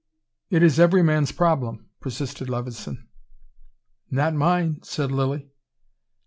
It is every man's problem," persisted Levison. "Not mine," said Lilly.